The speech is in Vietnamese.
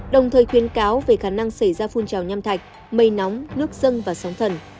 đồng thời khuyến cáo về khả năng xảy ra phun trào nham thạch mây nóng nước dân và sóng thần